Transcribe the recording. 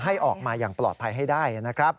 ให้ออกมาอย่างปลอดภัยให้ได้นะครับ